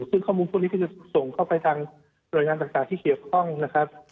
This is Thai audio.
ซึ่งข้อมูลพวกนี้ก็จะส่งเข้าไปทางหน่วยงานต่างที่เกี่ยวข้องนะครับ